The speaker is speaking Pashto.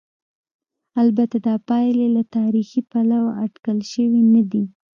البته دا پایلې له تاریخي پلوه اټکل شوې نه دي.